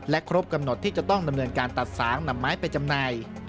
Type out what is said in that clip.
ครบกำหนดที่จะต้องดำเนินการตัดสางนำไม้ไปจำหน่าย